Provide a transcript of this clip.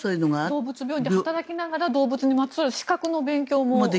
動物病院で働きながら動物にまつわる資格の勉強も。